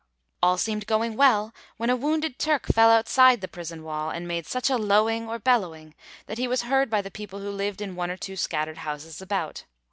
All seemed going well, when a wounded Turk fell outside the prison wall, and 'made such a lowing' or bellowing, that he was heard by the people who lived in one or two scattered houses about.